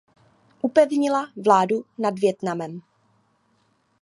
Upevnila vládu nad Vietnamem.